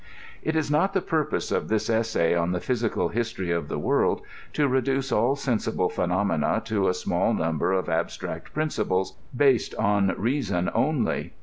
It is not the purpose of this essay on the physical history of the world to reduce all sensible phenomena to a small number of abstract principles, based on reason only.